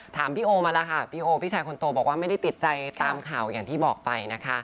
ถามพี่โอมาแล้วค่ะพี่โอพี่ชายคนโตบอกว่าไม่ได้ติดใจตามข่าวอย่างที่บอกไปนะคะ